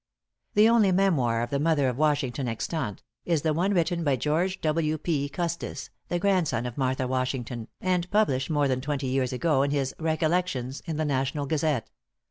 The only memoir of the mother of Washington extant, is the one written by George W. P. Custis, the grandson of Martha Washington, and published more than twenty years ago in his "Recollections" in the National Gazette.